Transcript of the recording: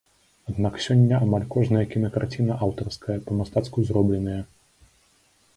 Аднак сёння амаль кожная кінакарціна аўтарская, па-мастацку зробленая.